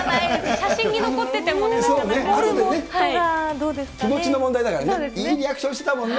写真に残っていても、どうですか気持ちの問題だからね、いいリアクションしてたもんね。